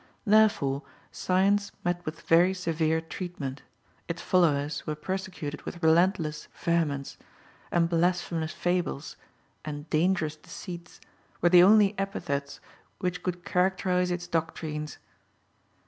Therefore Science met with very severe treatment; its followers were persecuted with relentless vehemence, and "blasphemous fables" and "dangerous deceits" were the only epithets which could characterise its doctrines.